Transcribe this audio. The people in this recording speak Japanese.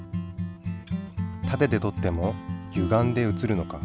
たてでとってもゆがんで写るのか？